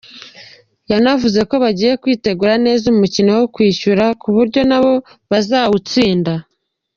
Yanavuze ko bagiye kwitegura neza umukino wo kwishyura ku buryo nabo bazawutsinda.